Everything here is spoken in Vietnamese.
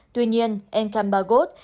tuy nhiên enkambagot